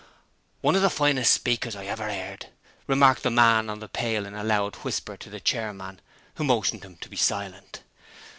'One of the finest speakers I've ever 'eard!' remarked the man on the pail in a loud whisper to the chairman, who motioned him to be silent.